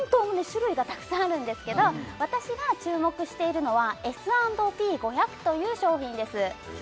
種類がたくさんあるんですけど私が注目しているのはＳ＆Ｐ５００という商品です